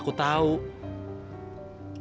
kamu suka sama cowo lain